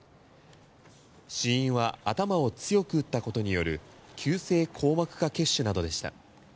死因は頭を強く打ったことによる急性硬膜下血腫などでした。